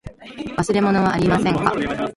忘れ物はありませんか。